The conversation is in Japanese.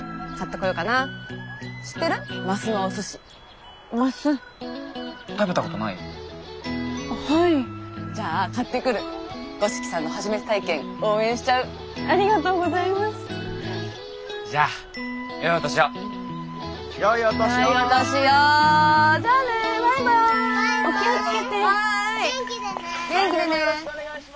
来年もよろしくお願いします！